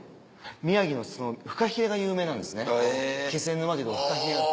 宮城のフカヒレが有名なんですね気仙沼というとこフカヒレが。